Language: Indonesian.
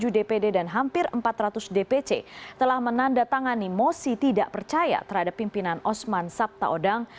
tujuh dpd dan hampir empat ratus dpc telah menandatangani mosi tidak percaya terhadap pimpinan osman sabtaodang